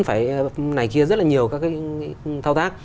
phải này kia rất là nhiều các cái thao tác